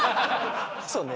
そうね